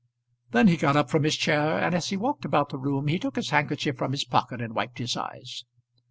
Then he got up from his chair, and as he walked about the room he took his handkerchief from his pocket and wiped his eyes.